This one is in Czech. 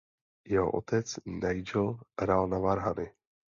Jeho otec Nigel hrál na varhany.